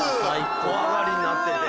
小上がりになってて。